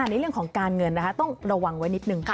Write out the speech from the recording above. ในเรื่องของการเงินต้องระวังไว้นิดนึง